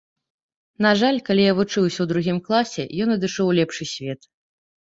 На жаль, калі я вучыўся ў другім класе, ён адышоў у лепшы свет.